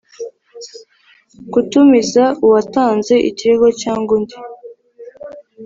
gutumiza uwatanze ikirego cyangwa undi